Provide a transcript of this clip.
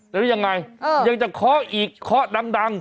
แล้วยังไงยังจะเคาะอีกเคาะดัง